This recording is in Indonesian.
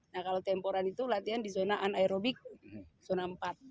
nah kalau temporan itu latihan di zona anaerobik zona empat